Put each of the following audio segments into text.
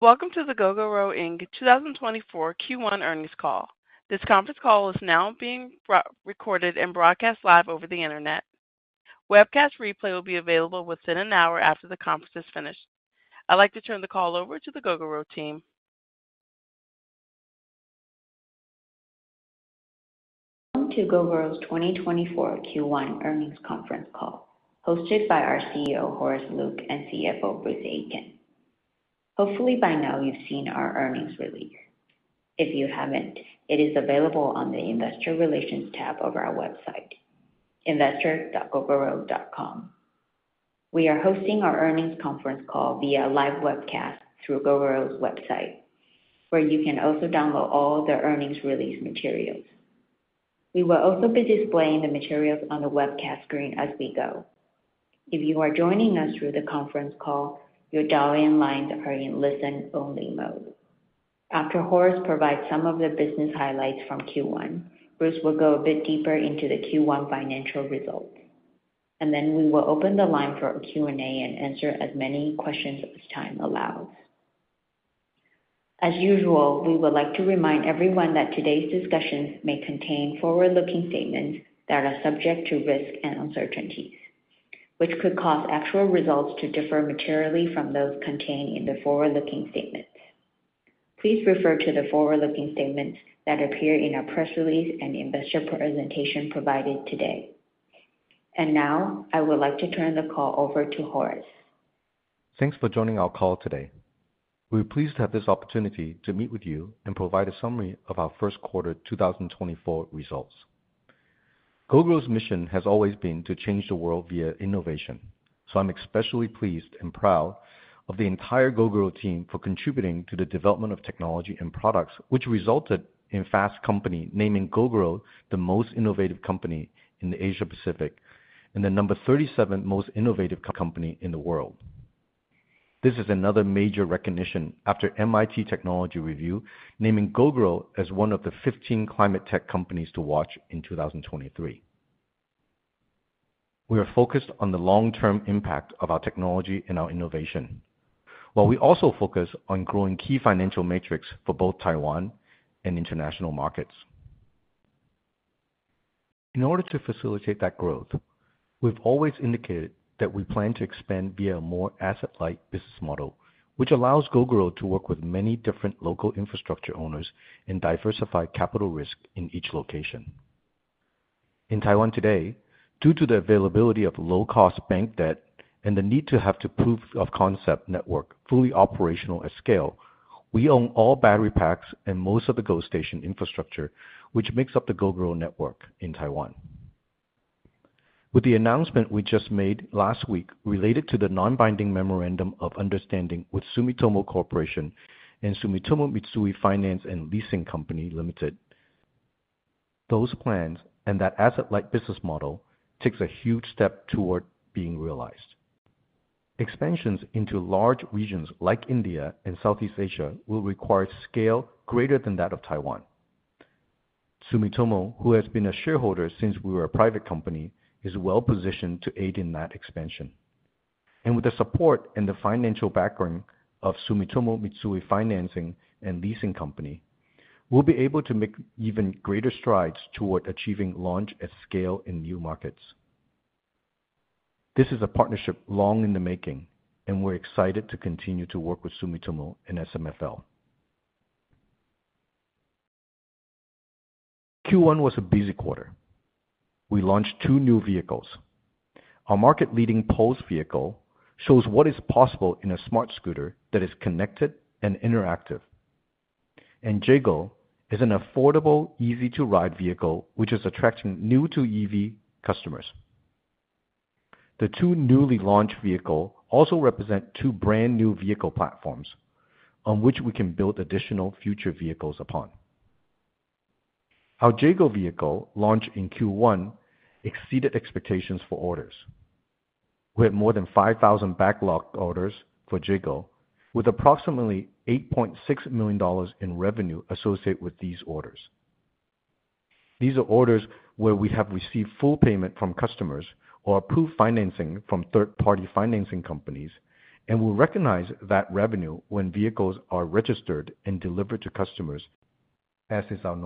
Welcome to the Gogoro Inc. 2024 Q1 Earnings Call. This conference call is now being recorded and broadcast live over the Internet. Webcast replay will be available within an hour after the conference is finished. I'd like to turn the call over to the Gogoro team. Welcome to Gogoro's 2024 Q1 Earnings Conference Call, hosted by our CEO Horace Luke and CFO Bruce Aitken. Hopefully by now you've seen our earnings release. If you haven't, it is available on the Investor Relations tab over our website, investor.gogoro.com. We are hosting our earnings conference call via live webcast through Gogoro's website, where you can also download all the earnings release materials. We will also be displaying the materials on the webcast screen as we go. If you are joining us through the conference call, your dial-in lines are in listen-only mode. After Horace provides some of the business highlights from Q1, Bruce will go a bit deeper into the Q1 financial results, and then we will open the line for Q&A and answer as many questions as time allows. As usual, we would like to remind everyone that today's discussions may contain forward-looking statements that are subject to risk and uncertainties, which could cause actual results to differ materially from those contained in the forward-looking statements. Please refer to the forward-looking statements that appear in our press release and investor presentation provided today. Now I would like to turn the call over to Horace. Thanks for joining our call today. We're pleased to have this opportunity to meet with you and provide a summary of our first quarter 2024 results. Gogoro's mission has always been to change the world via innovation, so I'm especially pleased and proud of the entire Gogoro team for contributing to the development of technology and products which resulted in Fast Company naming Gogoro the most innovative company in the Asia-Pacific and the 37 most innovative company in the world. This is another major recognition after MIT Technology Review naming Gogoro as one of the 15 climate tech companies to watch in 2023. We are focused on the long-term impact of our technology and our innovation, while we also focus on growing key financial metrics for both Taiwan and international markets. In order to facilitate that growth, we've always indicated that we plan to expand via a more asset-light business model, which allows Gogoro to work with many different local infrastructure owners and diversify capital risk in each location. In Taiwan today, due to the availability of low-cost bank debt and the need to have the proof-of-concept network fully operational at scale, we own all battery packs and most of the GoStation infrastructure, which makes up the Gogoro Network in Taiwan. With the announcement we just made last week related to the non-binding memorandum of understanding with Sumitomo Corporation and Sumitomo Mitsui Finance and Leasing Company Limited, those plans and that asset-light business model takes a huge step toward being realized. Expansions into large regions like India and Southeast Asia will require scale greater than that of Taiwan. Sumitomo, who has been a shareholder since we were a private company, is well positioned to aid in that expansion. With the support and the financial background of Sumitomo Mitsui Finance and Leasing Company, we'll be able to make even greater strides toward achieving launch at scale in new markets. This is a partnership long in the making, and we're excited to continue to work with Sumitomo and SMFL. Q1 was a busy quarter. We launched two new vehicles. Our market-leading Pulse vehicle shows what is possible in a smart scooter that is connected and interactive, and JEGO is an affordable, easy-to-ride vehicle which is attracting new-to-EV customers. The two newly launched vehicles also represent two brand-new vehicle platforms on which we can build additional future vehicles upon. Our JEGO vehicle launched in Q1 exceeded expectations for orders. We had more than 5,000 backlog orders for JEGO, with approximately $8.6 million in revenue associated with these orders. These are orders where we have received full payment from customers or approved financing from third-party financing companies and will recognize that revenue when vehicles are registered and delivered to customers, as is our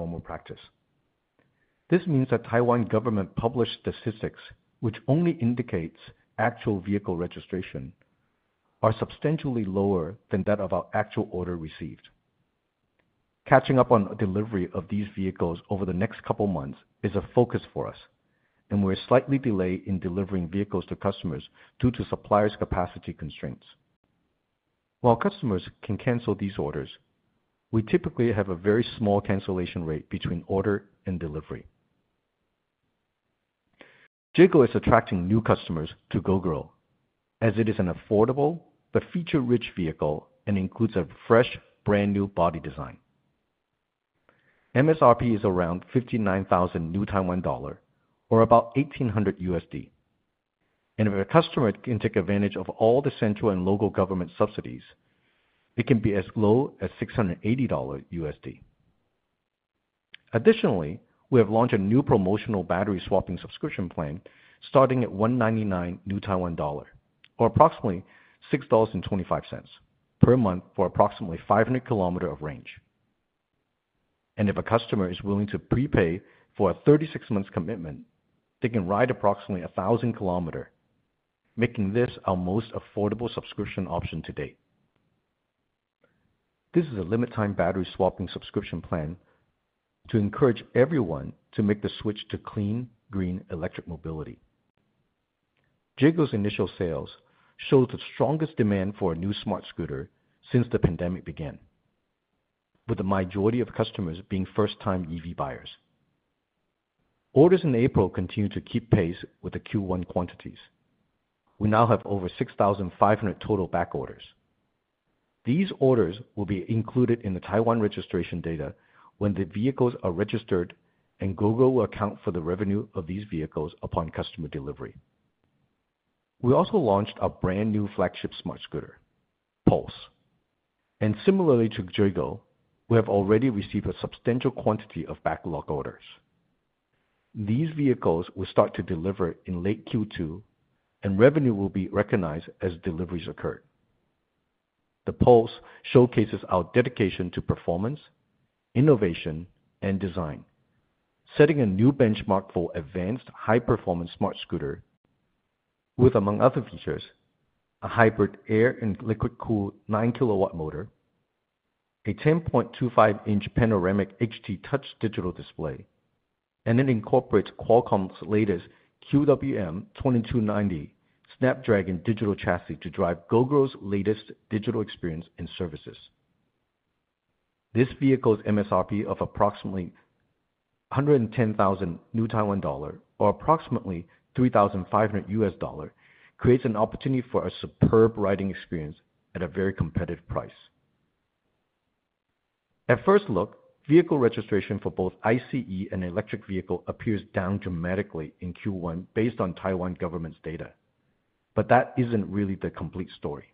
normal practice. This means that Taiwan government published statistics which only indicates actual vehicle registration are substantially lower than that of our actual order received. Catching up on delivery of these vehicles over the next couple of months is a focus for us, and we're slightly delayed in delivering vehicles to customers due to suppliers' capacity constraints. While customers can cancel these orders, we typically have a very small cancellation rate between order and delivery. JEGO is attracting new customers to Gogoro as it is an affordable but feature-rich vehicle and includes a fresh, brand-new body design. MSRP is around 59,000, or about $1,800, and if a customer can take advantage of all the central and local government subsidies, it can be as low as $680. Additionally, we have launched a new promotional battery swapping subscription plan starting at 199, or approximately $6.25 per month for approximately 500 km of range. If a customer is willing to prepay for a 36-month commitment, they can ride approximately 1,000 km, making this our most affordable subscription option to date. This is a limited-time battery swapping subscription plan to encourage everyone to make the switch to clean, green electric mobility. JEGO's initial sales showed the strongest demand for a new smart scooter since the pandemic began, with the majority of customers being first-time EV buyers. Orders in April continue to keep pace with the Q1 quantities. We now have over 6,500 total backorders. These orders will be included in the Taiwan registration data when the vehicles are registered and Gogoro will account for the revenue of these vehicles upon customer delivery. We also launched our brand-new flagship smart scooter, Pulse, and similarly to JEGO, we have already received a substantial quantity of backlog orders. These vehicles will start to deliver in late Q2, and revenue will be recognized as deliveries occurred. The Pulse showcases our dedication to performance, innovation, and design, setting a new benchmark for advanced, high-performance smart scooter with, among other features, a hybrid air and liquid-cooled 9 kW motor, a 10.25-inch panoramic HD touch digital display, and it incorporates Qualcomm's latest QWM2290 Snapdragon Digital Chassis to drive Gogoro's latest digital experience and services. This vehicle's MSRP of approximately 110,000 new Taiwan dollar, or approximately $3,500 USD, creates an opportunity for a superb riding experience at a very competitive price. At first look, vehicle registration for both ICE and electric vehicle appears down dramatically in Q1 based on Taiwan government's data, but that isn't really the complete story.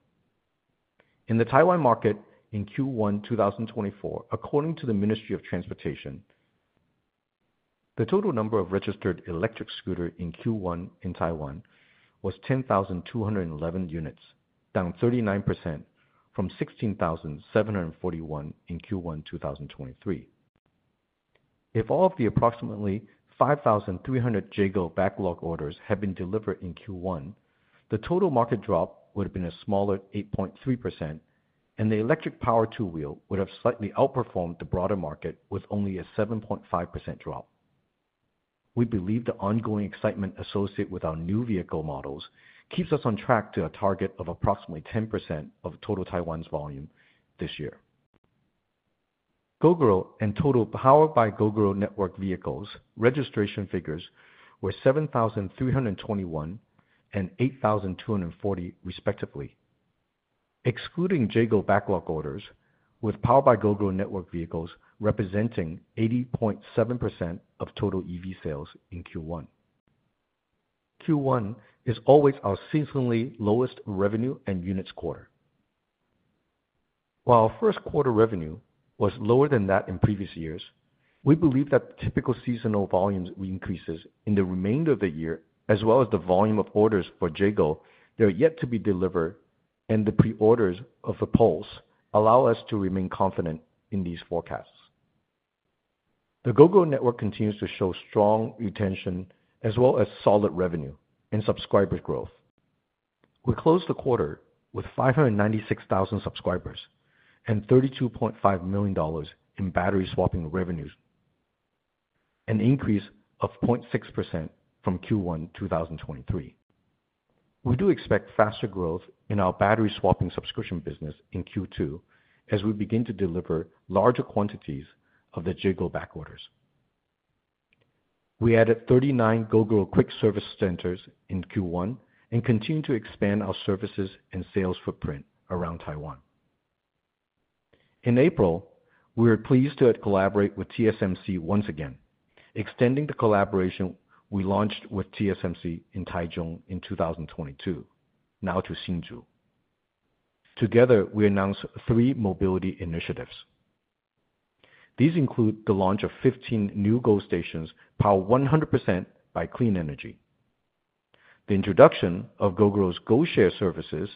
In the Taiwan market in Q1 2024, according to the Ministry of Transportation, the total number of registered electric scooters in Q1 in Taiwan was 10,211 units, down 39% from 16,741 in Q1 2023. If all of the approximately 5,300 JEGO backlog orders had been delivered in Q1, the total market drop would have been a smaller 8.3%, and the electric power two-wheel would have slightly outperformed the broader market with only a 7.5% drop. We believe the ongoing excitement associated with our new vehicle models keeps us on track to a target of approximately 10% of total Taiwan's volume this year. Gogoro and total powered-by-Gogoro network vehicles registration figures were 7,321 and 8,240 respectively, excluding JEGO backlog orders, with powered-by-Gogoro network vehicles representing 80.7% of total EV sales in Q1. Q1 is always our seasonally lowest revenue and units quarter. While our first quarter revenue was lower than that in previous years, we believe that the typical seasonal volumes increases in the remainder of the year, as well as the volume of orders for JEGO that are yet to be delivered and the pre-orders of the Pulse, allow us to remain confident in these forecasts. The Gogoro network continues to show strong retention as well as solid revenue and subscriber growth. We closed the quarter with 596,000 subscribers and $32.5 million in battery swapping revenue, an increase of 0.6% from Q1 2023. We do expect faster growth in our battery swapping subscription business in Q2 as we begin to deliver larger quantities of the JEGO backorders. We added 39 Gogoro quick service centers in Q1 and continue to expand our services and sales footprint around Taiwan. In April, we were pleased to collaborate with TSMC once again, extending the collaboration we launched with TSMC in Taichung in 2022, now to Hsinchu. Together, we announced three mobility initiatives. These include the launch of 15 new GoStations powered 100% by clean energy, the introduction of Gogoro's GoShare services,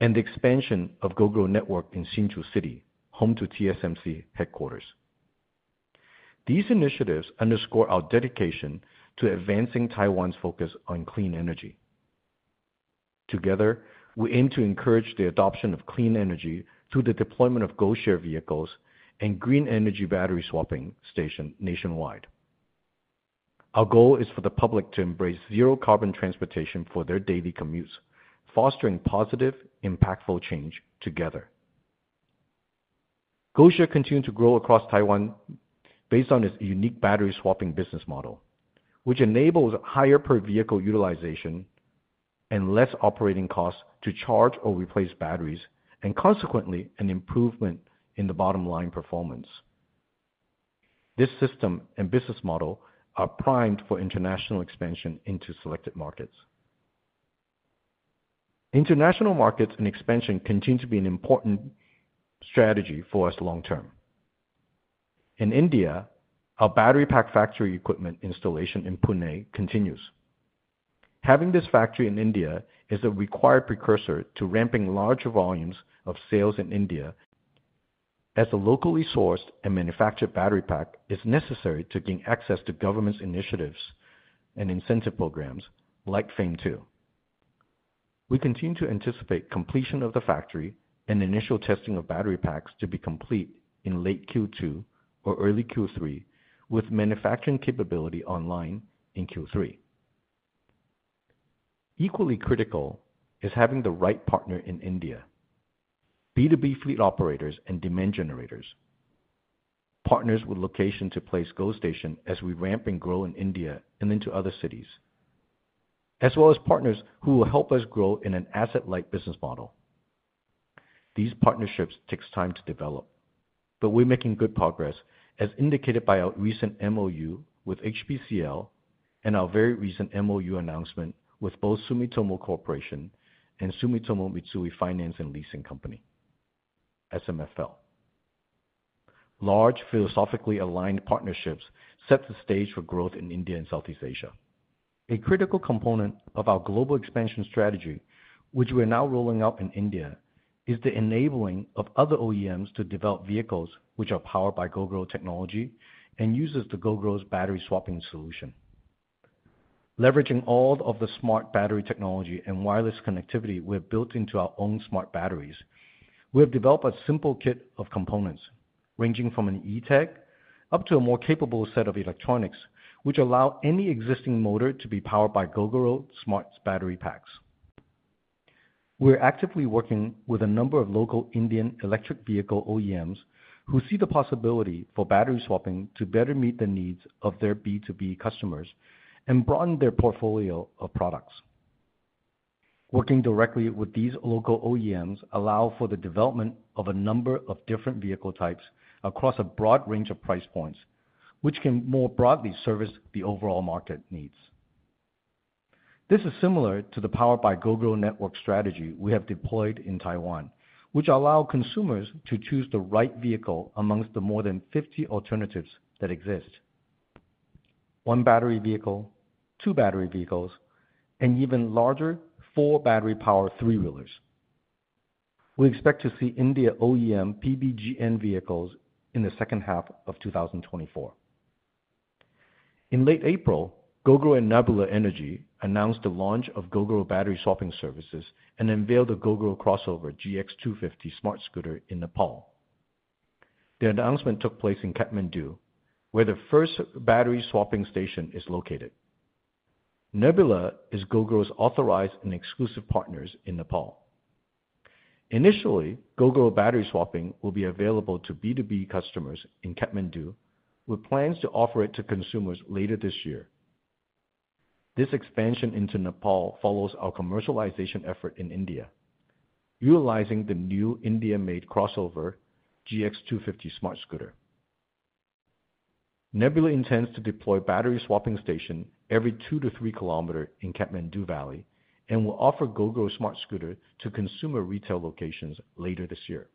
and the expansion of Gogoro Network in Hsinchu City, home to TSMC headquarters. These initiatives underscore our dedication to advancing Taiwan's focus on clean energy. Together, we aim to encourage the adoption of clean energy through the deployment of GoShare vehicles and green energy battery swapping station nationwide. Our goal is for the public to embrace zero-carbon transportation for their daily commutes, fostering positive, impactful change together. GoShare continues to grow across Taiwan based on its unique battery swapping business model, which enables higher per-vehicle utilization and less operating costs to charge or replace batteries, and consequently an improvement in the bottom-line performance. This system and business model are primed for international expansion into selected markets. International markets and expansion continue to be an important strategy for us long-term. In India, our battery pack factory equipment installation in Pune continues. Having this factory in India is a required precursor to ramping larger volumes of sales in India, as a locally sourced and manufactured battery pack is necessary to gain access to government's initiatives and incentive programs like FAME II. We continue to anticipate completion of the factory and initial testing of battery packs to be complete in late Q2 or early Q3, with manufacturing capability online in Q3. Equally critical is having the right partner in India: B2B fleet operators and demand generators, partners with location to place GoStation as we ramp and grow in India and into other cities, as well as partners who will help us grow in an asset-light business model. These partnerships take time to develop, but we're making good progress, as indicated by our recent MOU with HBCL and our very recent MOU announcement with both Sumitomo Corporation and Sumitomo Mitsui Finance and Leasing Company, SMFL. Large, philosophically aligned partnerships set the stage for growth in India and Southeast Asia. A critical component of our global expansion strategy, which we are now rolling out in India, is the enabling of other OEMs to develop vehicles which are powered by Gogoro technology and uses the Gogoro's battery swapping solution. Leveraging all of the smart battery technology and wireless connectivity we have built into our own smart batteries, we have developed a simple kit of components ranging from an e-tag up to a more capable set of electronics which allow any existing motor to be powered by Gogoro smart battery packs. We're actively working with a number of local Indian electric vehicle OEMs who see the possibility for battery swapping to better meet the needs of their B2B customers and broaden their portfolio of products. Working directly with these local OEMs allows for the development of a number of different vehicle types across a broad range of price points, which can more broadly service the overall market needs. This is similar to the powered-by-Gogoro network strategy we have deployed in Taiwan, which allows consumers to choose the right vehicle amongst the more than 50 alternatives that exist: one battery vehicle, two battery vehicles, and even larger four-battery-powered three-wheelers. We expect to see India OEM PBGN vehicles in the second half of 2024. In late April, Gogoro and Nebula Energy announced the launch of Gogoro battery swapping services and unveiled the Gogoro CrossOver GX250 smart scooter in Nepal. The announcement took place in Kathmandu, where the first battery swapping station is located. Nebula is Gogoro's authorized and exclusive partner in Nepal. Initially, Gogoro battery swapping will be available to B2B customers in Kathmandu, with plans to offer it to consumers later this year. This expansion into Nepal follows our commercialization effort in India, utilizing the new India-made CrossOver GX250 smart scooter. Nebula intends to deploy battery swapping station every 2-3 km in Kathmandu Valley and will offer Gogoro smart scooter to consumer retail locations later this year.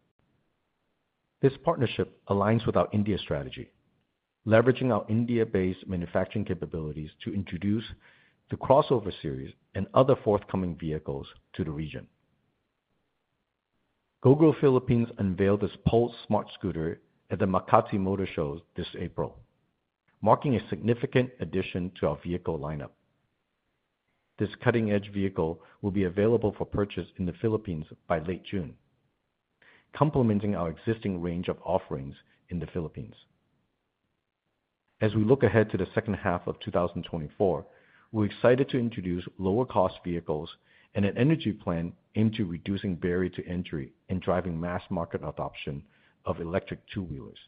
This partnership aligns with our India strategy, leveraging our India-based manufacturing capabilities to introduce the crossover series and other forthcoming vehicles to the region. Gogoro Philippines unveiled its Pulse smart scooter at the Makati Motor Show this April, marking a significant addition to our vehicle lineup. This cutting-edge vehicle will be available for purchase in the Philippines by late June, complementing our existing range of offerings in the Philippines. As we look ahead to the second half of 2024, we're excited to introduce lower-cost vehicles and an energy plan aimed at reducing barrier to entry and driving mass market adoption of electric two-wheelers.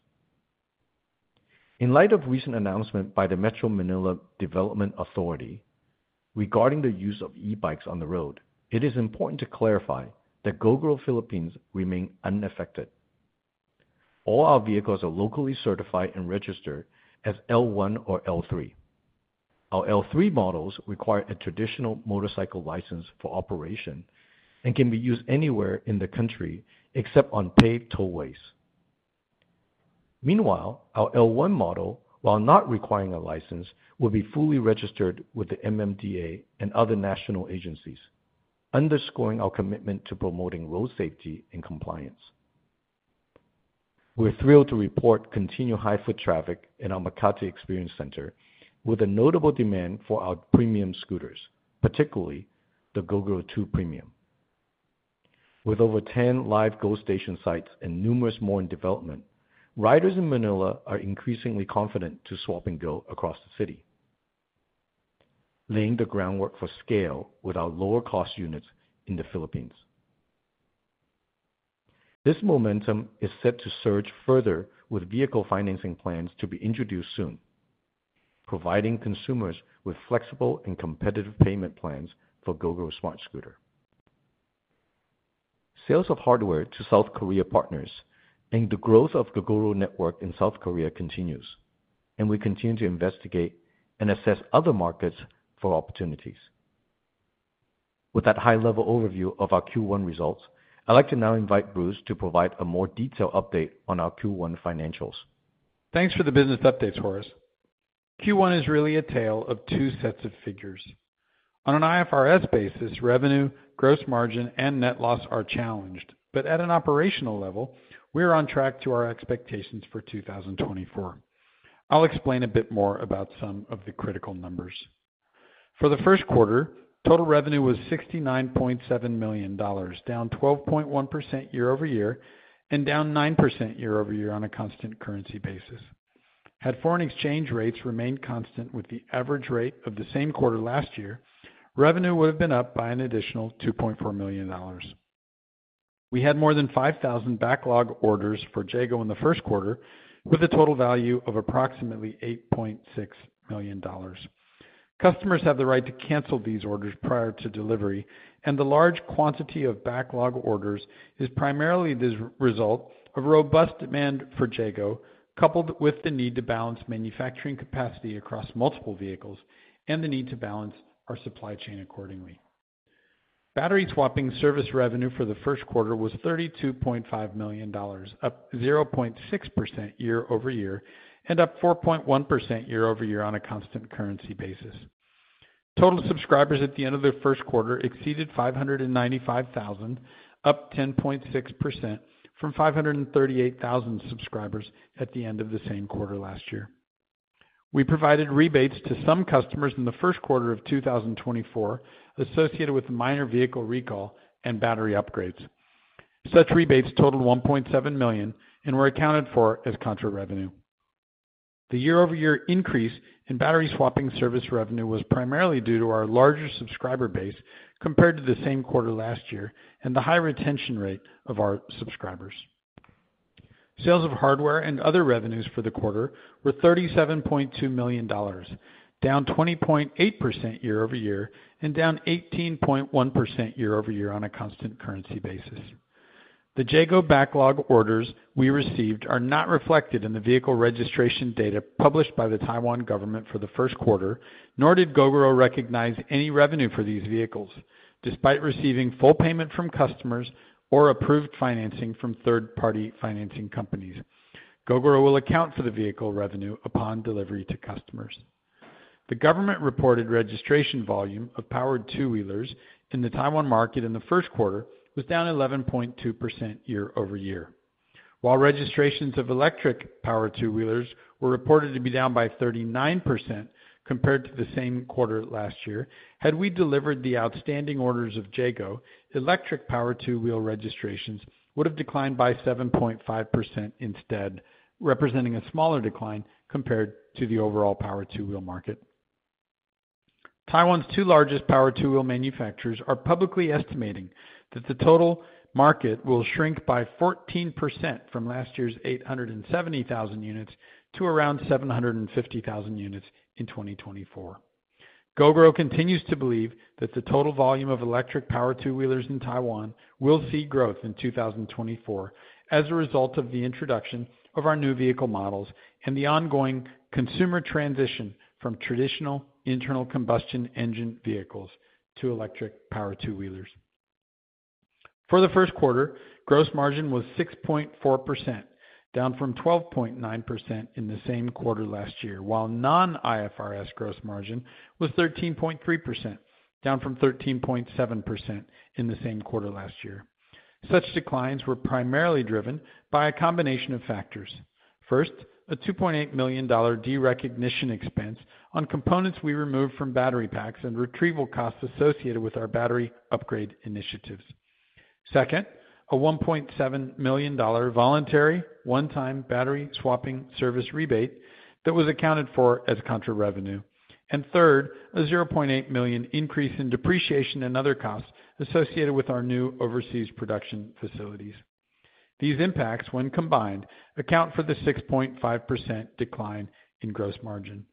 In light of recent announcements by the Metropolitan Manila Development Authority regarding the use of e-bikes on the road, it is important to clarify that Gogoro Philippines remain unaffected. All our vehicles are locally certified and registered as L1 or L3. Our L3 models require a traditional motorcycle license for operation and can be used anywhere in the country except on paid tollways. Meanwhile, our L1 model, while not requiring a license, will be fully registered with the MMDA and other national agencies, underscoring our commitment to promoting road safety and compliance. We're thrilled to report continued high-foot traffic in our Makati Experience Center with a notable demand for our premium scooters, particularly the Gogoro 2 Premium. With over 10 live GoStation sites and numerous more in development, riders in Manila are increasingly confident to swap and go across the city, laying the groundwork for scale with our lower-cost units in the Philippines. This momentum is set to surge further with vehicle financing plans to be introduced soon, providing consumers with flexible and competitive payment plans for Gogoro smart scooter. Sales of hardware to South Korea partners aim to growth of Gogoro Network in South Korea continues, and we continue to investigate and assess other markets for opportunities. With that high-level overview of our Q1 results, I'd like to now invite Bruce to provide a more detailed update on our Q1 financials. Thanks for the business updates, Horace. Q1 is really a tale of two sets of figures. On an IFRS basis, revenue, gross margin, and net loss are challenged, but at an operational level, we are on track to our expectations for 2024. I'll explain a bit more about some of the critical numbers. For the first quarter, total revenue was $69.7 million, down 12.1% year-over-year and down 9% year-over-year on a constant currency basis. Had foreign exchange rates remained constant with the average rate of the same quarter last year, revenue would have been up by an additional $2.4 million. We had more than 5,000 backlog orders for JEGO in the first quarter, with a total value of approximately $8.6 million. Customers have the right to cancel these orders prior to delivery, and the large quantity of backlog orders is primarily the result of robust demand for JEGO, coupled with the need to balance manufacturing capacity across multiple vehicles and the need to balance our supply chain accordingly. Battery swapping service revenue for the first quarter was $32.5 million, up 0.6% year over year and up 4.1% year over year on a constant currency basis. Total subscribers at the end of the first quarter exceeded 595,000, up 10.6% from 538,000 subscribers at the end of the same quarter last year. We provided rebates to some customers in the first quarter of 2024 associated with minor vehicle recall and battery upgrades. Such rebates totaled $1.7 million and were accounted for as contra-revenue. The year-over-year increase in battery swapping service revenue was primarily due to our larger subscriber base compared to the same quarter last year and the high retention rate of our subscribers. Sales of hardware and other revenues for the quarter were $37.2 million, down 20.8% year-over-year and down 18.1% year-over-year on a constant currency basis. The JEGO backlog orders we received are not reflected in the vehicle registration data published by the Taiwan government for the first quarter, nor did Gogoro recognize any revenue for these vehicles, despite receiving full payment from customers or approved financing from third-party financing companies. Gogoro will account for the vehicle revenue upon delivery to customers. The government-reported registration volume of powered two-wheelers in the Taiwan market in the first quarter was down 11.2% year-over-year. While registrations of electric powered two-wheelers were reported to be down by 39% compared to the same quarter last year, had we delivered the outstanding orders of JEGO, electric powered two-wheel registrations would have declined by 7.5% instead, representing a smaller decline compared to the overall powered two-wheel market. Taiwan's two largest powered two-wheel manufacturers are publicly estimating that the total market will shrink by 14% from last year's 870,000 units to around 750,000 units in 2024. Gogoro continues to believe that the total volume of electric powered two-wheelers in Taiwan will see growth in 2024 as a result of the introduction of our new vehicle models and the ongoing consumer transition from traditional internal combustion engine vehicles to electric powered two-wheelers. For the first quarter, gross margin was 6.4%, down from 12.9% in the same quarter last year, while non-IFRS gross margin was 13.3%, down from 13.7% in the same quarter last year. Such declines were primarily driven by a combination of factors. First, a $2.8 million derecognition expense on components we removed from battery packs and retrieval costs associated with our battery upgrade initiatives. Second, a $1.7 million voluntary one-time battery swapping service rebate that was accounted for as contra-revenue. And third, a $0.8 million increase in depreciation and other costs associated with our new overseas production facilities. These impacts, when combined, account for the 6.5% decline in gross margin.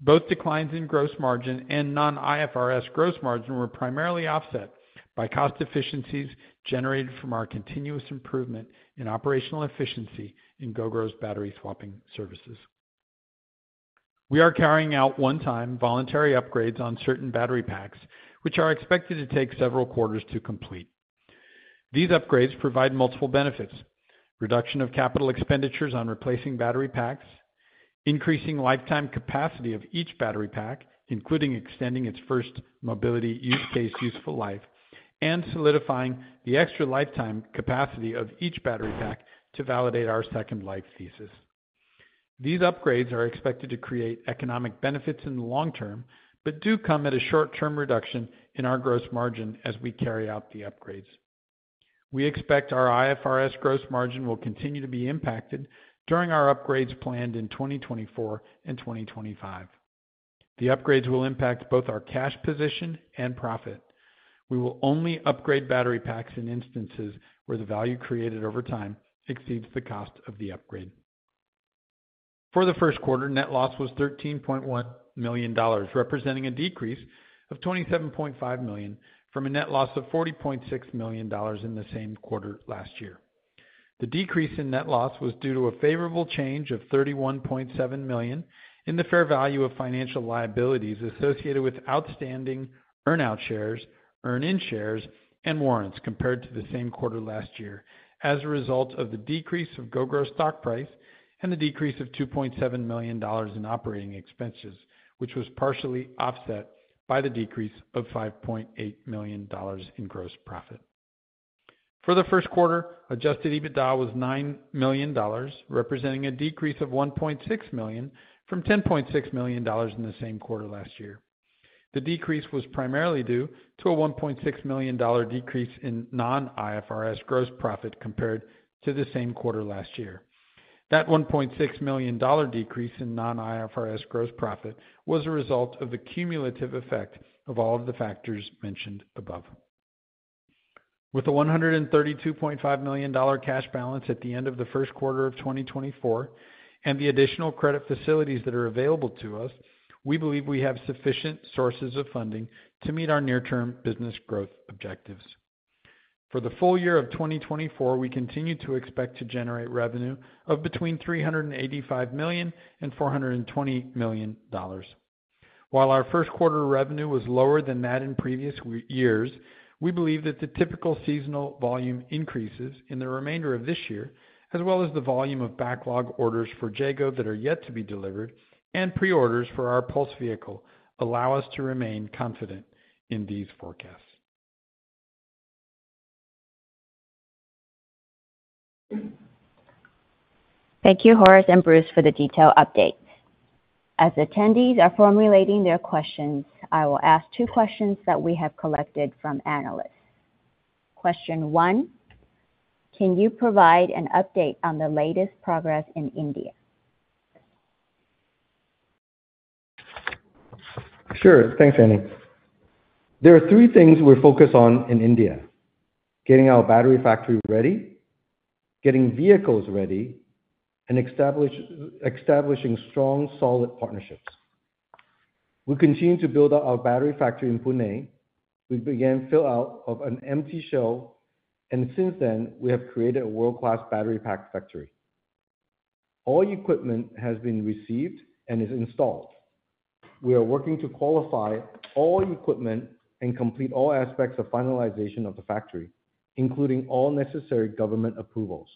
Both declines in gross margin and non-IFRS gross margin were primarily offset by cost efficiencies generated from our continuous improvement in operational efficiency in Gogoro's battery swapping services. We are carrying out one-time voluntary upgrades on certain battery packs, which are expected to take several quarters to complete. These upgrades provide multiple benefits: reduction of capital expenditures on replacing battery packs, increasing lifetime capacity of each battery pack, including extending its first mobility use case useful life, and solidifying the extra lifetime capacity of each battery pack to validate our second life thesis. These upgrades are expected to create economic benefits in the long term, but do come at a short-term reduction in our gross margin as we carry out the upgrades. We expect our IFRS gross margin will continue to be impacted during our upgrades planned in 2024 and 2025. The upgrades will impact both our cash position and profit. We will only upgrade battery packs in instances where the value created over time exceeds the cost of the upgrade. For the first quarter, net loss was $13.1 million, representing a decrease of $27.5 million from a net loss of $40.6 million in the same quarter last year. The decrease in net loss was due to a favorable change of $31.7 million in the fair value of financial liabilities associated with outstanding earn-out shares, earn-in shares, and warrants compared to the same quarter last year, as a result of the decrease of Gogoro stock price and the decrease of $2.7 million in operating expenses, which was partially offset by the decrease of $5.8 million in gross profit. For the first quarter, adjusted EBITDA was $9 million, representing a decrease of $1.6 million from $10.6 million in the same quarter last year. The decrease was primarily due to a $1.6 million decrease in non-IFRS gross profit compared to the same quarter last year. That $1.6 million decrease in non-IFRS gross profit was a result of the cumulative effect of all of the factors mentioned above. With a $132.5 million cash balance at the end of the first quarter of 2024 and the additional credit facilities that are available to us, we believe we have sufficient sources of funding to meet our near-term business growth objectives. For the full year of 2024, we continue to expect to generate revenue of between $385 million and $420 million. While our first quarter revenue was lower than that in previous years, we believe that the typical seasonal volume increases in the remainder of this year, as well as the volume of backlog orders for JEGO that are yet to be delivered and pre-orders for our Pulse vehicle, allow us to remain confident in these forecasts. Thank you, Horace and Bruce, for the detailed updates. As attendees are formulating their questions, I will ask two questions that we have collected from analysts. Question one: Can you provide an update on the latest progress in India? Sure. Thanks, Annie. There are three things we focus on in India: getting our battery factory ready, getting vehicles ready, and establishing strong, solid partnerships. We continue to build up our battery factory in Pune. We began filling out an empty shell, and since then, we have created a world-class battery pack factory. All equipment has been received and is installed. We are working to qualify all equipment and complete all aspects of finalization of the factory, including all necessary government approvals.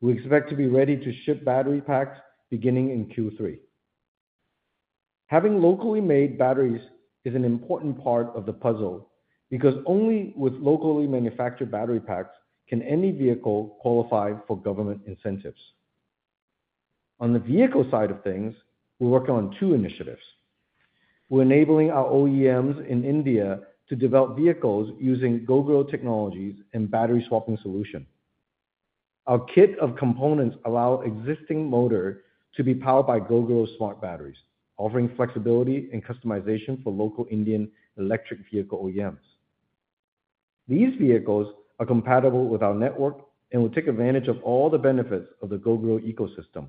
We expect to be ready to ship battery packs beginning in Q3. Having locally made batteries is an important part of the puzzle because only with locally manufactured battery packs can any vehicle qualify for government incentives. On the vehicle side of things, we're working on two initiatives. We're enabling our OEMs in India to develop vehicles using Gogoro Technologies' battery swapping solution. Our kit of components allows existing motors to be powered by Gogoro Smart Batteries, offering flexibility and customization for local Indian electric vehicle OEMs. These vehicles are compatible with our network and will take advantage of all the benefits of the Gogoro ecosystem,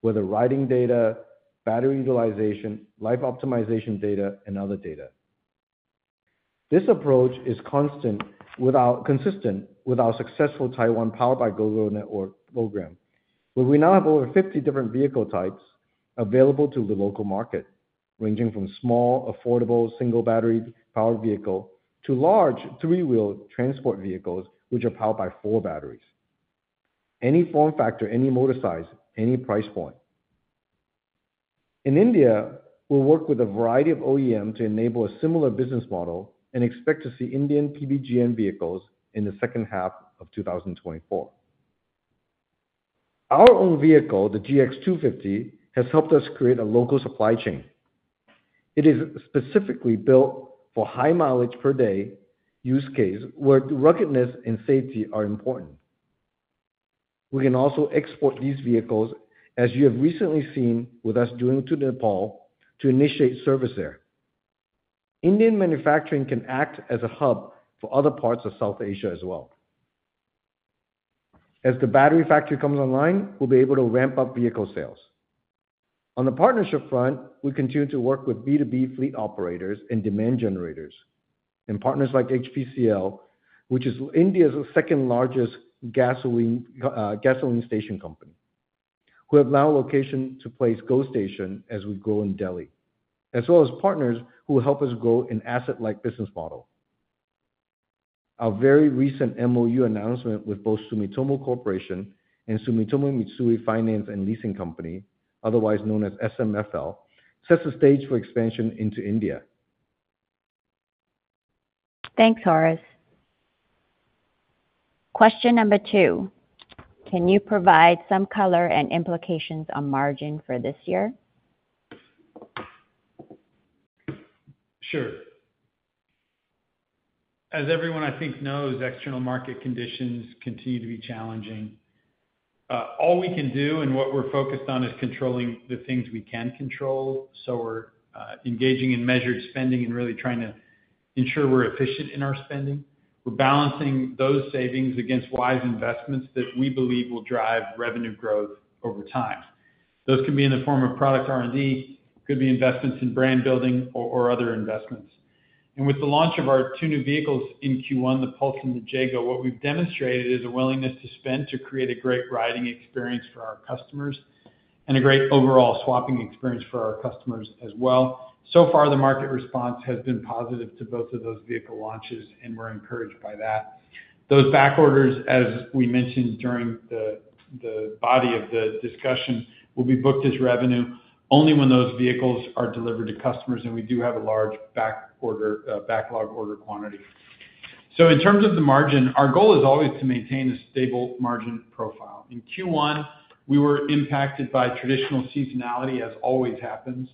whether riding data, battery utilization, life optimization data, and other data. This approach is consistent with our successful Taiwan Powered by Gogoro Network program, where we now have over 50 different vehicle types available to the local market, ranging from small, affordable, single-battery powered vehicles to large three-wheel transport vehicles, which are powered by four batteries. Any form factor, any motor size, any price point. In India, we'll work with a variety of OEMs to enable a similar business model and expect to see Indian PBGN vehicles in the second half of 2024. Our own vehicle, the GX 250, has helped us create a local supply chain. It is specifically built for high mileage per day use cases where ruggedness and safety are important. We can also export these vehicles, as you have recently seen with us doing to Nepal, to initiate service there. Indian manufacturing can act as a hub for other parts of South Asia as well. As the battery factory comes online, we'll be able to ramp up vehicle sales. On the partnership front, we continue to work with B2B fleet operators and demand generators and partners like HPCL, which is India's second-largest gasoline station company, who have now a location to place GoStation as we grow in Delhi, as well as partners who help us grow an asset-like business model. Our very recent MOU announcement with both Sumitomo Corporation and Sumitomo Mitsui Finance and Leasing Company, otherwise known as SMFL, sets the stage for expansion into India. Thanks, Horace. Question number two: Can you provide some color and implications on margin for this year? Sure. As everyone, I think, knows, external market conditions continue to be challenging. All we can do and what we're focused on is controlling the things we can control. So we're engaging in measured spending and really trying to ensure we're efficient in our spending. We're balancing those savings against wise investments that we believe will drive revenue growth over time. Those can be in the form of product R&D, could be investments in brand building, or other investments. And with the launch of our two new vehicles in Q1, the Pulse and the JEGO, what we've demonstrated is a willingness to spend to create a great riding experience for our customers and a great overall swapping experience for our customers as well. So far, the market response has been positive to both of those vehicle launches, and we're encouraged by that. Those back orders, as we mentioned during the body of the discussion, will be booked as revenue only when those vehicles are delivered to customers, and we do have a large backlog order quantity. So in terms of the margin, our goal is always to maintain a stable margin profile. In Q1, we were impacted by traditional seasonality, as always happens.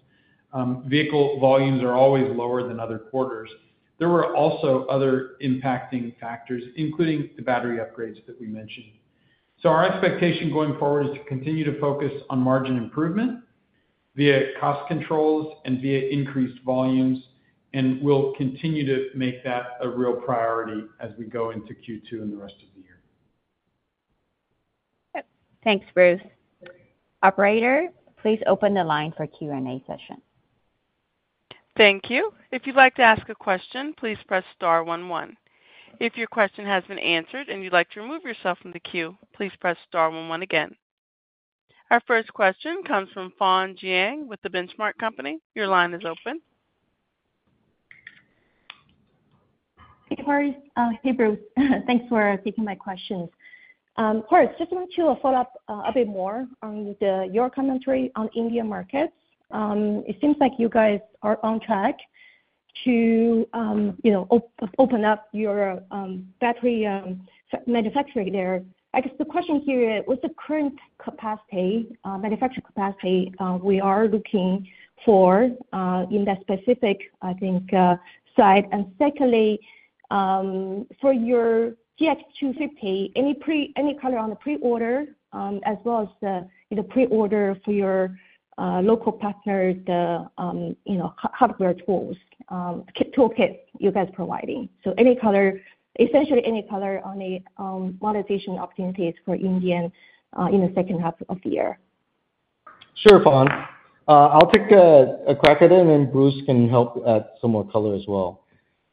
Vehicle volumes are always lower than other quarters. There were also other impacting factors, including the battery upgrades that we mentioned. So our expectation going forward is to continue to focus on margin improvement via cost controls and via increased volumes, and we'll continue to make that a real priority as we go into Q2 and the rest of the year. Thanks, Bruce. Operator, please open the line for Q&A session. Thank you. If you'd like to ask a question, please press star one one. If your question has been answered and you'd like to remove yourself from the queue, please press star one one again. Our first question comes from Fawne Jiang with The Benchmark Company. Your line is open. Hey, Horace. Hey, Bruce. Thanks for taking my questions. Horace, just want to follow up a bit more on your commentary on Indian markets. It seems like you guys are on track to open up your battery manufacturing there. I guess the question here is, what's the current manufacturing capacity we are looking for in that specific, I think, side? And secondly, for your GX 250, any color on the pre-order as well as the pre-order for your local partners, the hardware toolkit you guys providing? So essentially, any color on the monetization opportunities for India in the second half of the year. Sure, Fawn. I'll take a crack at it, and then Bruce can help add some more color as well.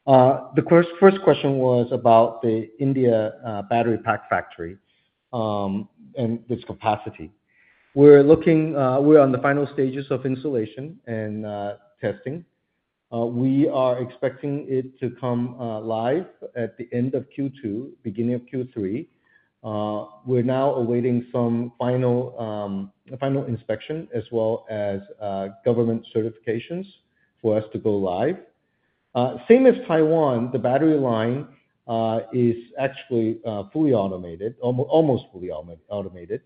The first question was about the India battery pack factory and its capacity. We're on the final stages of installation and testing. We are expecting it to come live at the end of Q2, beginning of Q3. We're now awaiting some final inspection as well as government certifications for us to go live. Same as Taiwan, the battery line is actually fully automated, almost fully automated.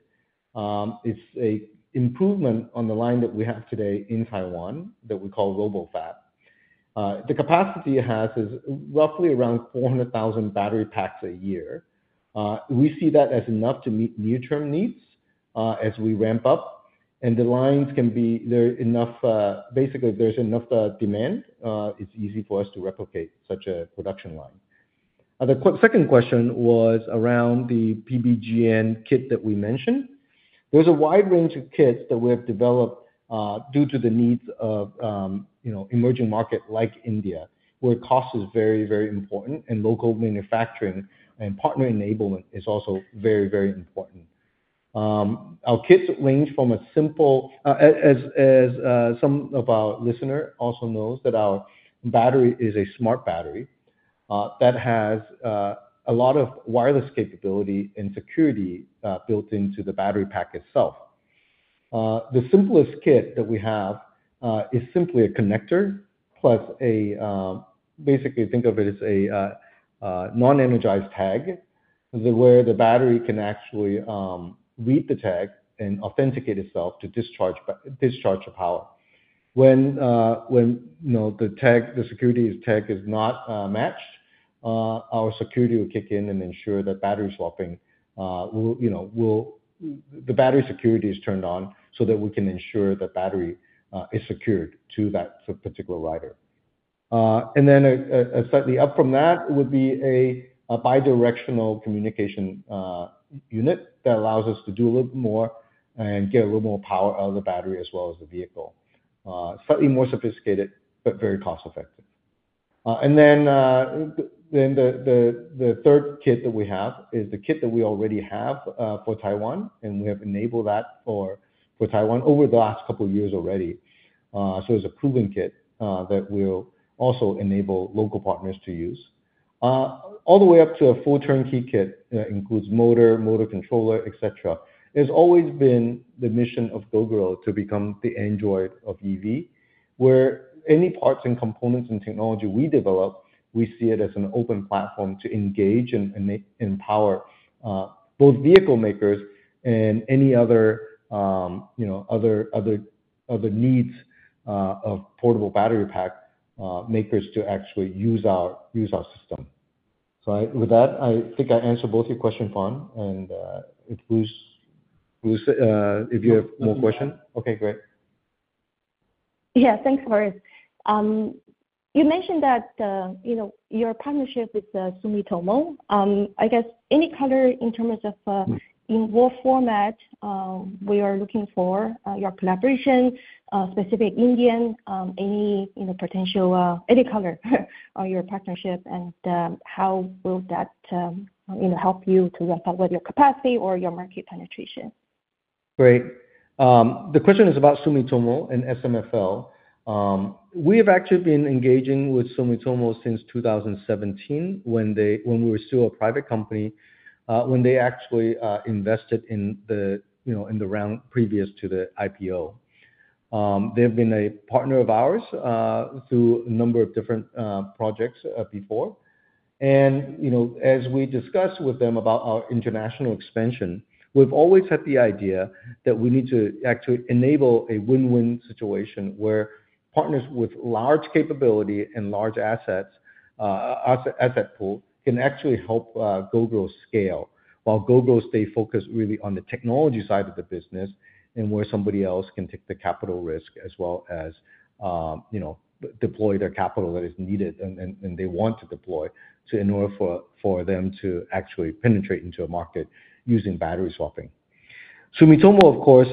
It's an improvement on the line that we have today in Taiwan that we call Robofab. The capacity it has is roughly around 400,000 battery packs a year. We see that as enough to meet near-term needs as we ramp up, and the lines can be basically, if there's enough demand, it's easy for us to replicate such a production line. The second question was around the PBGN kit that we mentioned. There's a wide range of kits that we have developed due to the needs of emerging markets like India, where cost is very, very important, and local manufacturing and partner enablement is also very, very important. Our kits range from as simple as some of our listeners also know, our battery is a smart battery that has a lot of wireless capability and security built into the battery pack itself. The simplest kit that we have is simply a connector plus basically, think of it as a non-energized tag where the battery can actually read the tag and authenticate itself to discharge the power. When the security tag is not matched, our security will kick in and ensure that battery swapping will the battery security is turned on so that we can ensure that battery is secured to that particular rider. And then slightly up from that would be a bidirectional communication unit that allows us to do a little bit more and get a little more power out of the battery as well as the vehicle. Slightly more sophisticated, but very cost-effective. And then the third kit that we have is the kit that we already have for Taiwan, and we have enabled that for Taiwan over the last couple of years already. So it's a proven kit that will also enable local partners to use. All the way up to a full turnkey kit that includes motor, motor controller, etc., it has always been the mission of Gogoro to become the Android of EV, where any parts and components and technology we develop, we see it as an open platform to engage and empower both vehicle makers and any other needs of portable battery pack makers to actually use our system. So with that, I think I answered both your question, Fawn. And if you have more questions? Yes. Okay. Great. Yeah. Thanks, Horace. You mentioned that your partnership with Sumitomo. I guess, any color in terms of in what format we are looking for, your collaboration, specific Indian, any potential any color on your partnership, and how will that help you to ramp up whether your capacity or your market penetration? Great. The question is about Sumitomo and SMFL. We have actually been engaging with Sumitomo since 2017 when we were still a private company, when they actually invested in the round previous to the IPO. They have been a partner of ours through a number of different projects before. And as we discussed with them about our international expansion, we've always had the idea that we need to actually enable a win-win situation where partners with large capability and large asset pool can actually help Gogoro scale while Gogoro stays focused really on the technology side of the business and where somebody else can take the capital risk as well as deploy their capital that is needed and they want to deploy in order for them to actually penetrate into a market using battery swapping. Sumitomo, of course,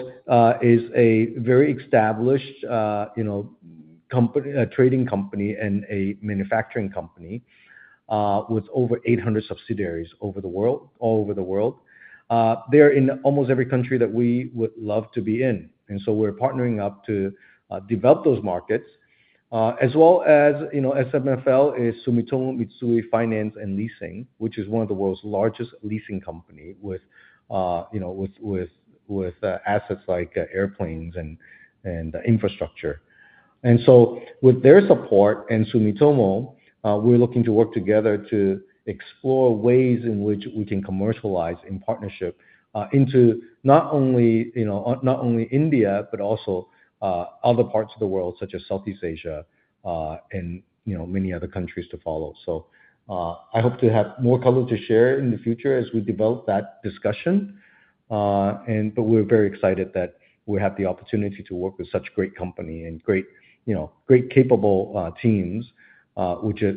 is a very established trading company and a manufacturing company with over 800 subsidiaries all over the world. They are in almost every country that we would love to be in. And so we're partnering up to develop those markets, as well as SMFL is Sumitomo Mitsui Finance and Leasing, which is one of the world's largest leasing companies with assets like airplanes and infrastructure. And so with their support and Sumitomo, we're looking to work together to explore ways in which we can commercialize in partnership into not only India but also other parts of the world, such as Southeast Asia and many other countries to follow. So I hope to have more color to share in the future as we develop that discussion. We're very excited that we have the opportunity to work with such a great company and great capable teams,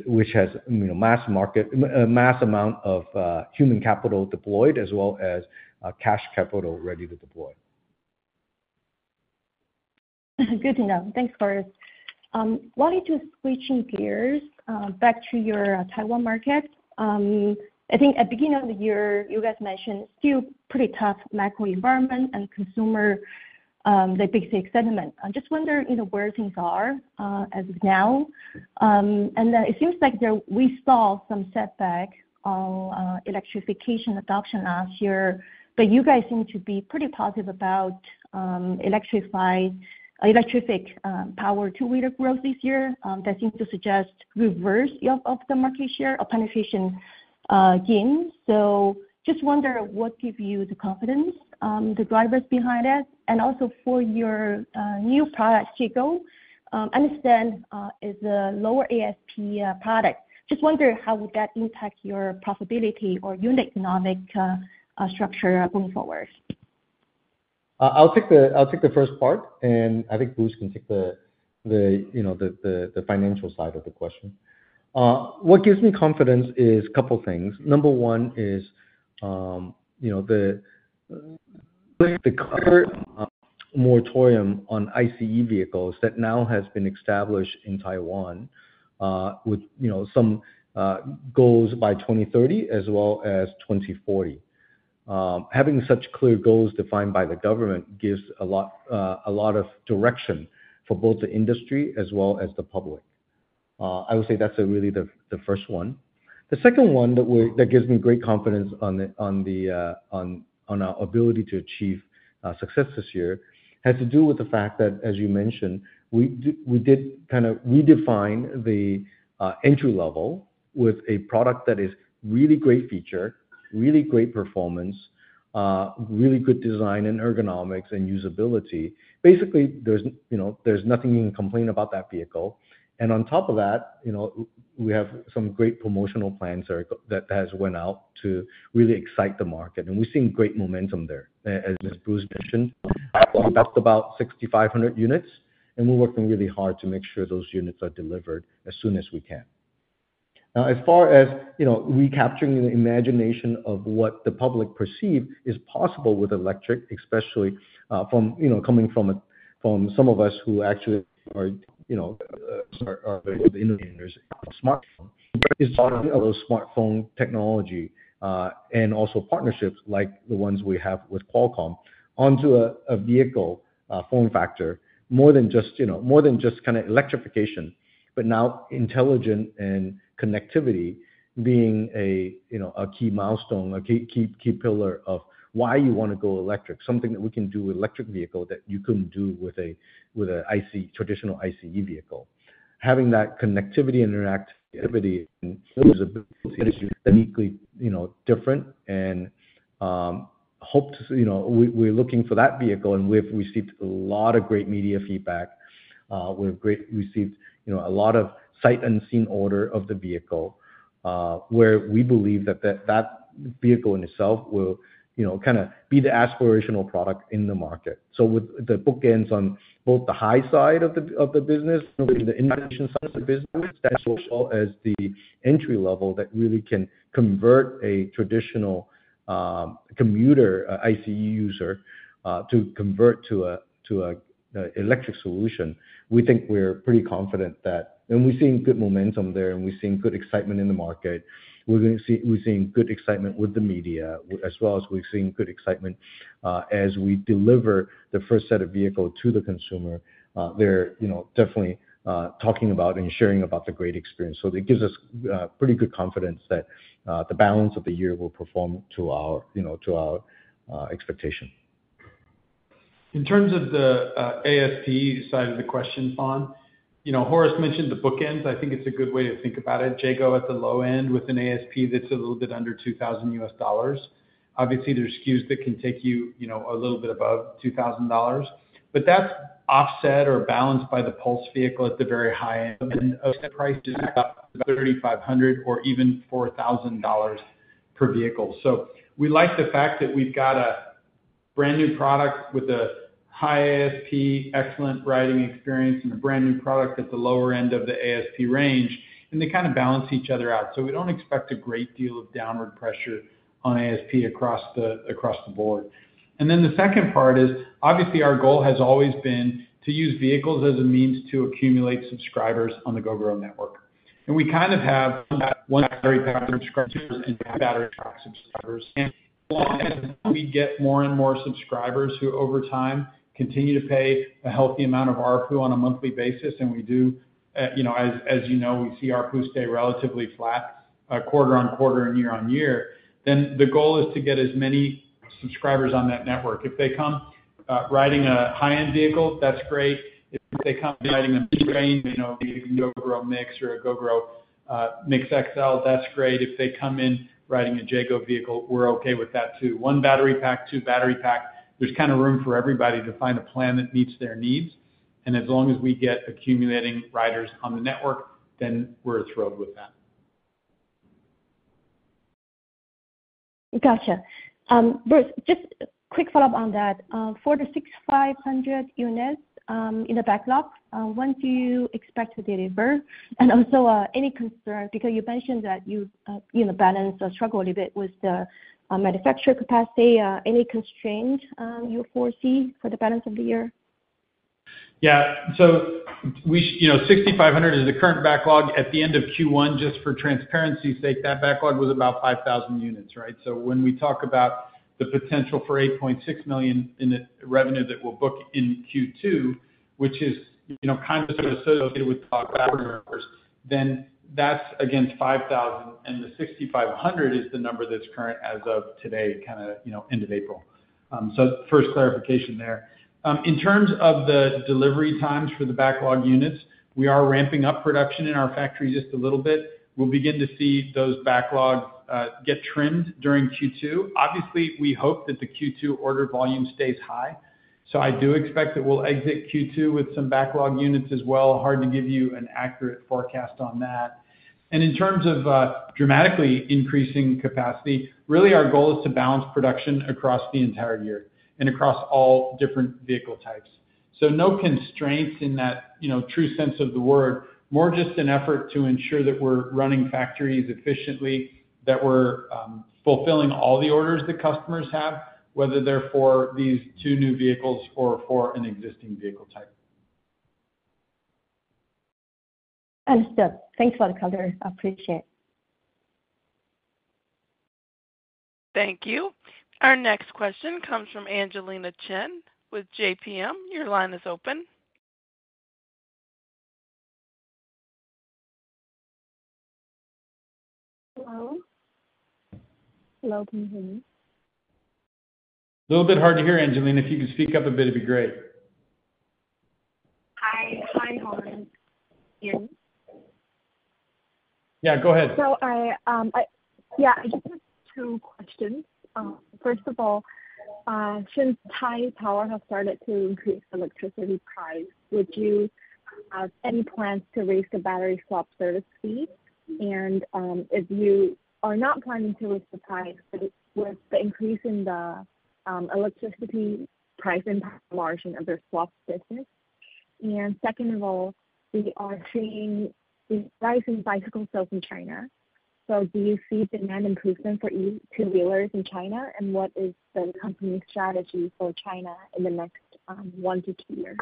which has a mass amount of human capital deployed as well as cash capital ready to deploy. Good to know. Thanks, Horace. Why don't you switch gears back to your Taiwan market? I think at the beginning of the year, you guys mentioned still pretty tough macro environment and consumer big tech sentiment. I just wonder where things are as of now. And then it seems like we saw some setback on electrification adoption last year, but you guys seem to be pretty positive about electric power two-wheeler growth this year. That seems to suggest reverse of the market share or penetration gain. So just wonder what gives you the confidence, the drivers behind it, and also for your new product, Cigo, understand it's a lower ASP product. Just wonder how would that impact your profitability or unit economic structure going forward? I'll take the first part, and I think Bruce can take the financial side of the question. What gives me confidence is a couple of things. Number one is the clear moratorium on ICE vehicles that now has been established in Taiwan with some goals by 2030 as well as 2040. Having such clear goals defined by the government gives a lot of direction for both the industry as well as the public. I would say that's really the first one. The second one that gives me great confidence on our ability to achieve success this year has to do with the fact that, as you mentioned, we did kind of redefine the entry level with a product that is really great feature, really great performance, really good design and ergonomics and usability. Basically, there's nothing you can complain about that vehicle. On top of that, we have some great promotional plans that have gone out to really excite the market. We've seen great momentum there. As Bruce mentioned, we bought about 6,500 units, and we're working really hard to make sure those units are delivered as soon as we can. Now, as far as recapturing the imagination of what the public perceive is possible with electric, especially coming from some of us who actually are the innovators, smartphone. It's talking about smartphone technology and also partnerships like the ones we have with Qualcomm onto a vehicle form factor more than just more than just kind of electrification, but now intelligent and connectivity being a key milestone, a key pillar of why you want to go electric, something that we can do with an electric vehicle that you couldn't do with a traditional ICE vehicle. Having that connectivity and interactivity and usability is uniquely different. We're looking for that vehicle, and we've received a lot of great media feedback. We've received a lot of sight unseen orders of the vehicle where we believe that that vehicle in itself will kind of be the aspirational product in the market. So the bookends on both the high side of the business, the innovation side of the business, as well as the entry level that really can convert a traditional commuter ICE user to convert to an electric solution. We think we're pretty confident that, and we're seeing good momentum there, and we're seeing good excitement in the market. We're seeing good excitement with the media, as well as we're seeing good excitement as we deliver the first set of vehicles to the consumer. They're definitely talking about and sharing about the great experience. So it gives us pretty good confidence that the balance of the year will perform to our expectation. In terms of the ASP side of the question, Fawn, Horace mentioned the bookend. I think it's a good way to think about it. JEGO, at the low end with an ASP that's a little bit under $2,000. Obviously, there's SKUs that can take you a little bit above $2,000, but that's offset or balanced by the Pulse vehicle at the very high end. And the price is about $3,500 or even $4,000 per vehicle. So we like the fact that we've got a brand new product with a high ASP, excellent riding experience, and a brand new product at the lower end of the ASP range. And they kind of balance each other out. So we don't expect a great deal of downward pressure on ASP across the board. Then the second part is, obviously, our goal has always been to use vehicles as a means to accumulate subscribers on the Gogoro Network. We kind of have one battery pack subscribers and two battery pack subscribers. As we get more and more subscribers who over time continue to pay a healthy amount of ARPU on a monthly basis, and we do, as you know, we see ARPU stay relatively flat quarter on quarter and year on year, then the goal is to get as many subscribers on that network. If they come riding a high-end vehicle, that's great. If they come riding a mid-range Gogoro Mix or a Gogoro Mix XL, that's great. If they come in riding a JEGO vehicle, we're okay with that too. One battery pack, two battery packs. There's kind of room for everybody to find a plan that meets their needs. And as long as we get accumulating riders on the network, then we're thrilled with that. Gotcha. Bruce, just quick follow-up on that. For the 6,500 units in the backlog, when do you expect to deliver? And also any concerns because you mentioned that you balance or struggle a little bit with the manufacturer capacity. Any constraints you foresee for the balance of the year? Yeah. So 6,500 is the current backlog. At the end of Q1, just for transparency's sake, that backlog was about 5,000 units, right? So when we talk about the potential for $8.6 million in revenue that we'll book in Q2, which is kind of sort of associated with our background numbers, then that's against 5,000. And the 6,500 is the number that's current as of today, kind of end of April. So first clarification there. In terms of the delivery times for the backlog units, we are ramping up production in our factory just a little bit. We'll begin to see those backlogs get trimmed during Q2. Obviously, we hope that the Q2 order volume stays high. So I do expect that we'll exit Q2 with some backlog units as well. Hard to give you an accurate forecast on that. In terms of dramatically increasing capacity, really, our goal is to balance production across the entire year and across all different vehicle types. No constraints in that true sense of the word, more just an effort to ensure that we're running factories efficiently, that we're fulfilling all the orders the customers have, whether they're for these two new vehicles or for an existing vehicle type. Understood. Thanks for the color. I appreciate it. Thank you. Our next question comes from Angelina Chen with JPM. Your line is open. Hello? Hello. Can you hear me? A little bit hard to hear, Angelina. If you could speak up a bit, it'd be great. Hi. Hi, Horace. Yeah. Go ahead. So yeah, I just have two questions. First of all, since Taipower has started to increase electricity price, would you have any plans to raise the battery swap service fee? And if you are not planning to raise the price, would the increase in the electricity price impact margin of their swap business? And second of all, we are seeing a rise in bicycle sales in China. So do you see demand improvement for two-wheelers in China? And what is the company's strategy for China in the next one to two years?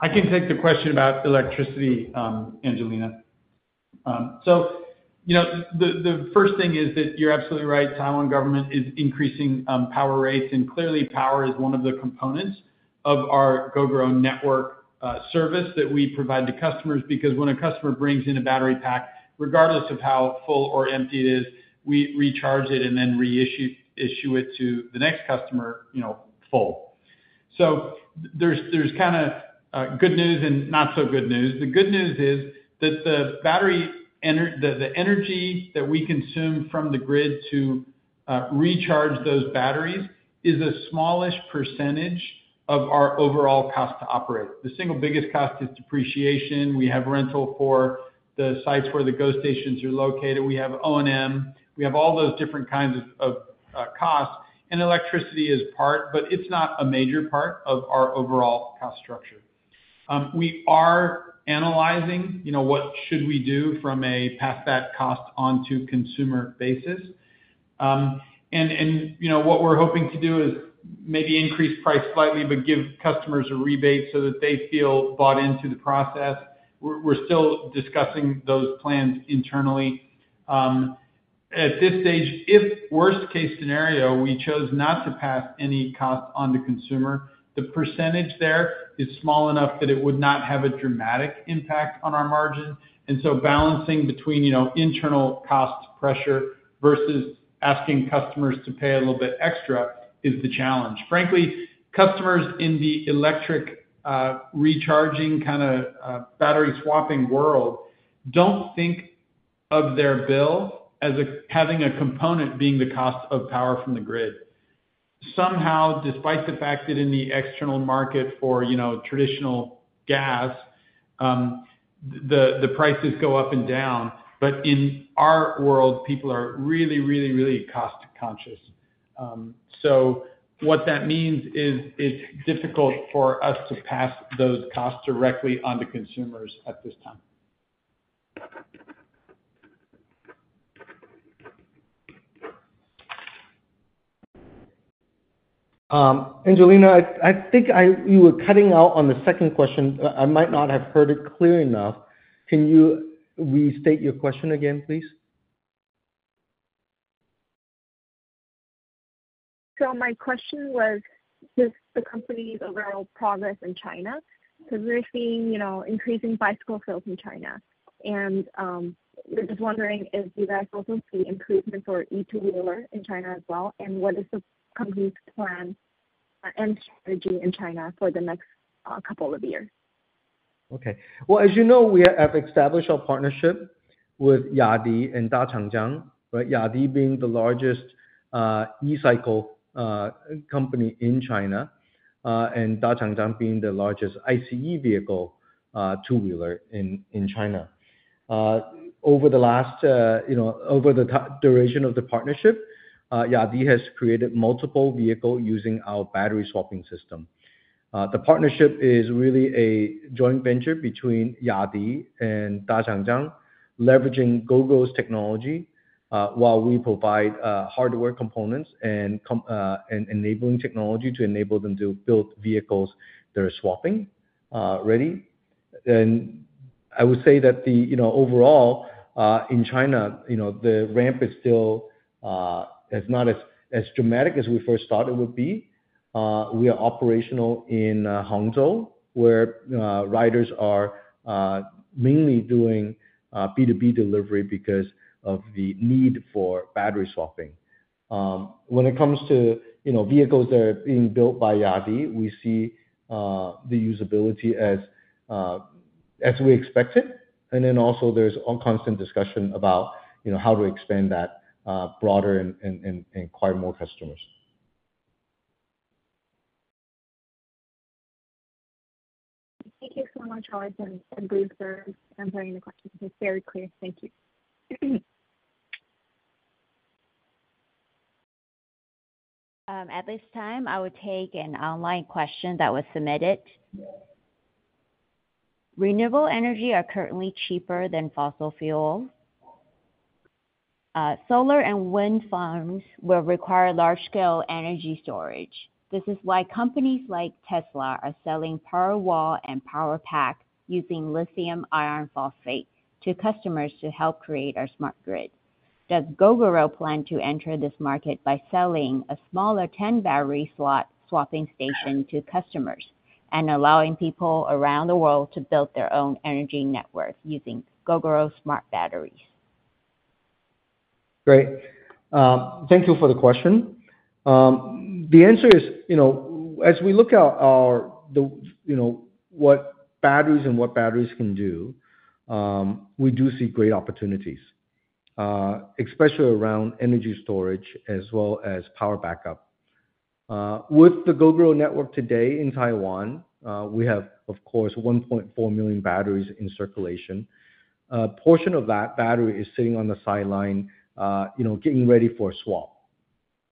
I can take the question about electricity, Angelina. So the first thing is that you're absolutely right. Taiwan government is increasing power rates. And clearly, power is one of the components of our Gogoro Network service that we provide to customers because when a customer brings in a battery pack, regardless of how full or empty it is, we recharge it and then reissue it to the next customer full. So there's kind of good news and not so good news. The good news is that the energy that we consume from the grid to recharge those batteries is a smallish percentage of our overall cost to operate. The single biggest cost is depreciation. We have rental for the sites where the GoStations are located. We have O&M. We have all those different kinds of costs. Electricity is part, but it's not a major part of our overall cost structure. We are analyzing what should we do from a pass-that-cost onto-consumer basis. What we're hoping to do is maybe increase price slightly but give customers a rebate so that they feel bought into the process. We're still discussing those plans internally. At this stage, if worst-case scenario, we chose not to pass any cost onto consumer, the percentage there is small enough that it would not have a dramatic impact on our margin. Balancing between internal cost pressure versus asking customers to pay a little bit extra is the challenge. Frankly, customers in the electric recharging kind of battery swapping world don't think of their bill as having a component being the cost of power from the grid. Somehow, despite the fact that in the external market for traditional gas, the prices go up and down. But in our world, people are really, really, really cost-conscious. So what that means is it's difficult for us to pass those costs directly onto consumers at this time. Angelina, I think you were cutting out on the second question. I might not have heard it clear enough. Can you restate your question again, please? My question was just the company's overall progress in China because we're seeing increasing bicycle sales in China. We're just wondering, do you guys also see improvement for e-two-wheeler in China as well? What is the company's plan and strategy in China for the next couple of years? Okay. Well, as you know, we have established our partnership with Yadea and Da Changjiang, right? Yadea being the largest e-cycle company in China and Da Changjiang being the largest ICE vehicle two-wheeler in China. Over the duration of the partnership, Yadea has created multiple vehicles using our battery swapping system. The partnership is really a joint venture between Yadea and Da Changjiang, leveraging Gogoro's technology while we provide hardware components and enabling technology to enable them to build vehicles that are swapping ready. And I would say that overall, in China, the ramp is still not as dramatic as we first thought it would be. We are operational in Hangzhou, where riders are mainly doing B2B delivery because of the need for battery swapping. When it comes to vehicles that are being built by Yadea, we see the usability as we expected. And then also, there's a constant discussion about how to expand that broader and acquire more customers. Thank you so much, Horace, and Bruce for answering the questions. It was very clear. Thank you. At this time, I will take an online question that was submitted. Renewable energy are currently cheaper than fossil fuels. Solar and wind farms will require large-scale energy storage. This is why companies like Tesla are selling Powerwall and Powerpack using lithium iron phosphate to customers to help create our smart grid. Does Gogoro plan to enter this market by selling a smaller 10-battery slot swapping station to customers and allowing people around the world to build their own energy network using Gogoro smart batteries? Great. Thank you for the question. The answer is, as we look at what batteries and what batteries can do, we do see great opportunities, especially around energy storage as well as power backup. With the Gogoro Network today in Taiwan, we have, of course, 1.4 million batteries in circulation. A portion of that battery is sitting on the sideline getting ready for a swap.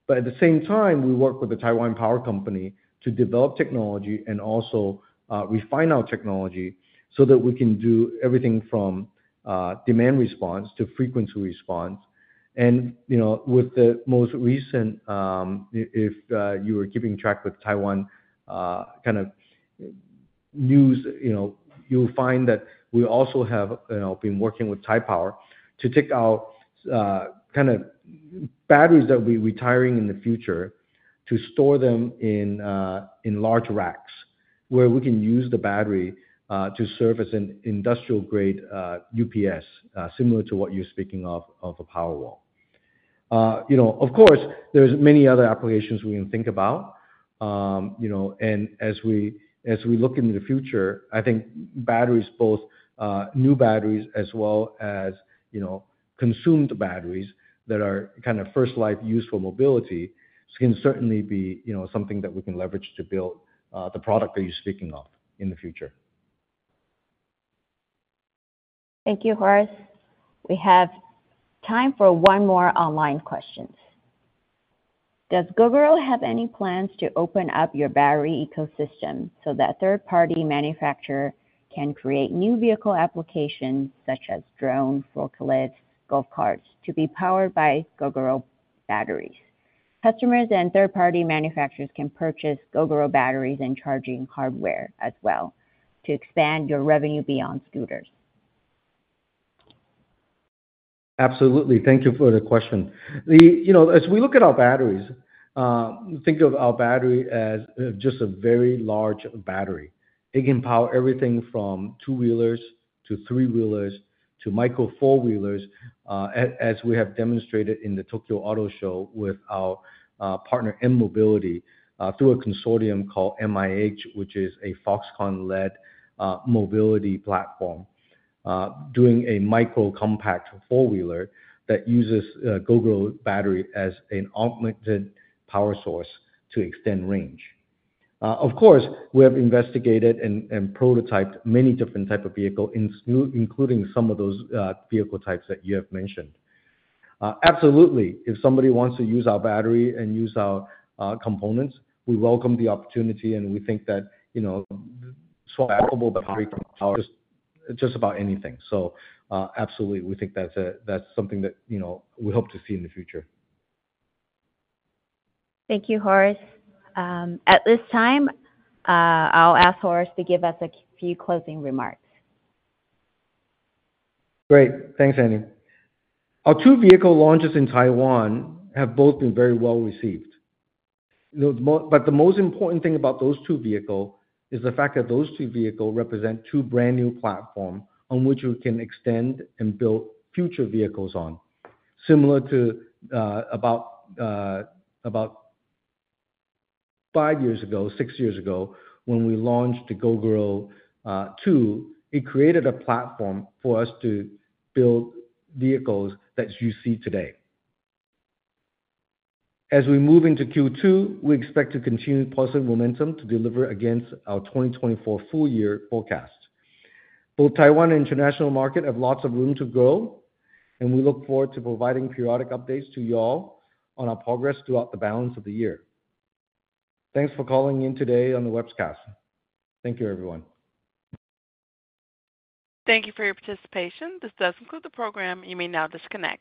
But at the same time, we work with the Taiwan Power Company to develop technology and also refine our technology so that we can do everything from demand response to frequency response. With the most recent, if you were keeping track with Taiwan kind of news, you'll find that we also have been working with Taipower to take our kind of batteries that we're retiring in the future to store them in large racks where we can use the battery to serve as an industrial-grade UPS, similar to what you're speaking of, of a Powerwall. Of course, there's many other applications we can think about. As we look into the future, I think batteries, both new batteries as well as consumed batteries that are kind of first-life use for mobility, can certainly be something that we can leverage to build the product that you're speaking of in the future. Thank you, Horace. We have time for one more online question. Does Gogoro have any plans to open up your battery ecosystem so that third-party manufacturers can create new vehicle applications such as drones, forklifts, golf carts to be powered by Gogoro batteries? Customers and third-party manufacturers can purchase Gogoro batteries and charging hardware as well to expand your revenue beyond scooters. Absolutely. Thank you for the question. As we look at our batteries, think of our battery as just a very large battery. It can power everything from two-wheelers to three-wheelers to micro four-wheelers, as we have demonstrated in the Tokyo Auto Show with our partner M Mobility through a consortium called MIH, which is a Foxconn-led mobility platform doing a micro compact four-wheeler that uses Gogoro battery as an augmented power source to extend range. Of course, we have investigated and prototyped many different types of vehicles, including some of those vehicle types that you have mentioned. Absolutely. If somebody wants to use our battery and use our components, we welcome the opportunity. And we think that swappable battery can power just about anything. So absolutely, we think that's something that we hope to see in the future. Thank you, Horace. At this time, I'll ask Horace to give us a few closing remarks. Great. Thanks, Annie. Our two-vehicle launches in Taiwan have both been very well received. But the most important thing about those two vehicles is the fact that those two vehicles represent two brand new platforms on which we can extend and build future vehicles on. Similar to about five years ago, six years ago, when we launched Gogoro 2, it created a platform for us to build vehicles that you see today. As we move into Q2, we expect to continue positive momentum to deliver against our 2024 full-year forecast. Both Taiwan and international market have lots of room to grow. And we look forward to providing periodic updates to y'all on our progress throughout the balance of the year. Thanks for calling in today on the webcast. Thank you, everyone. Thank you for your participation. This does conclude the program. You may now disconnect.